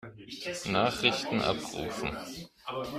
Nachrichten abrufen.